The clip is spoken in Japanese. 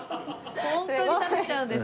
ホントに食べちゃうんです。